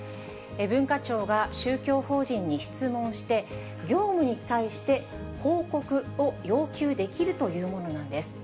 文化庁が宗教法人に質問して、業務に対して報告を要求できるというものなんです。